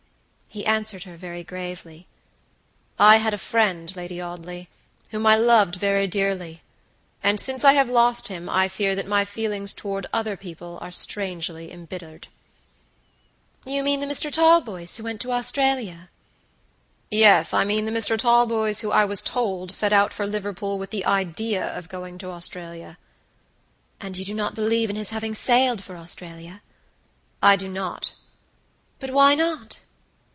He answered her very gravely: "I had a friend, Lady Audley, whom I loved very dearly, and since I have lost him I fear that my feelings toward other people are strangely embittered." "You mean the Mr. Talboys who went to Australia?" "Yes, I mean the Mr. Talboys who I was told set out for Liverpool with the idea of going to Australia." "And you do not believe in his having sailed for Australia?" "I do not." "But why not?"